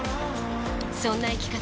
そんな生き方